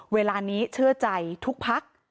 เวลานี้เชื่อใจทุกพัก